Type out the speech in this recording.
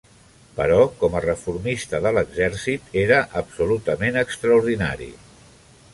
Però com a reformista de l'exèrcit, era absolutament extraordinari.